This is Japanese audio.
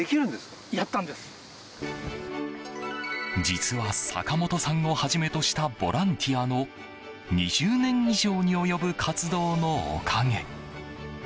実は坂本さんをはじめとしたボランティアの２０年以上に及ぶ活動のおかげ。